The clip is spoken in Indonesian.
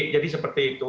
jadi seperti itu